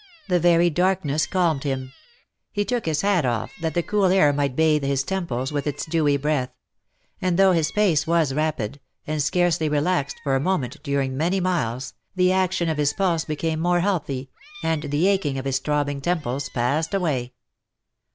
The very darkness calmed him; he took his hat off that the cool air might bathe his temples with its dewy breath • and though his pace was rapid, and scarcely relaxed for a moment during many miles, the action of his pulse became more healthy, and the aching of his throbbing temples passed away.